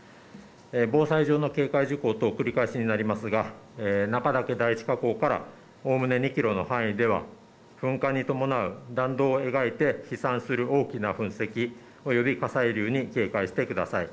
防災上の警戒事項等繰り返しになりますが中岳第一火口からおおむね２キロの範囲では噴火に伴う弾道を描いて飛散する大きな噴石、及び火砕流に警戒してください。